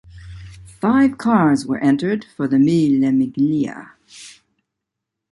Five cars were entered for the Mille Miglia.